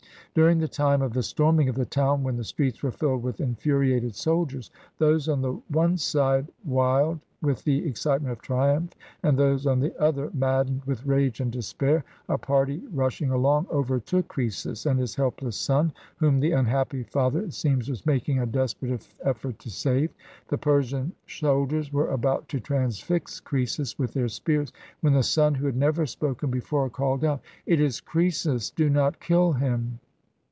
During the time of the storming of the town, when the streets were fdled with infuriated soldiers, those on the one side wild with the excitement of triumph, and those on the other maddened with rage and despair, a party, rushing along, overtook Croesus and his helpless son, whom the unhappy father, it seems, was making a des perate effort to save. The Persian soldiers were about to transfix Croesus with their spears, when the son, who had never spoken before, called out, "It is Croesus; do not kill him."